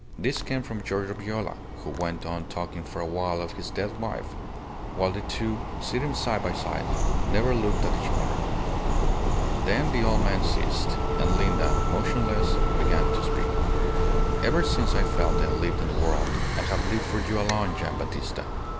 This came from Giorgio Viola, who went on talking for a while of his dead wife; while the two, sitting side by side, never looked at each other. Then the old man ceased; and Linda, motionless, began to speak. "Ever since I felt I lived in the world, I have lived for you alone, Gian' Battista.